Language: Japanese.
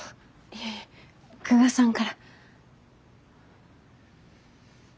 いえいえ久我さんから。